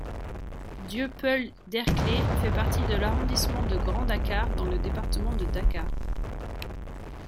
Dieuppeul-Derklé fait partie de l'arrondissement de Grand Dakar dans le département de Dakar.